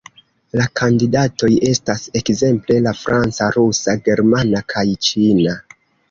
La kandidatoj estas ekzemple la franca, rusa, germana kaj ĉina.